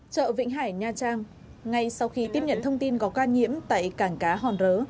chợ vĩnh hải nha trang ngay sau khi tiếp nhận thông tin có ca nhiễm tại cảng cá hòn rớ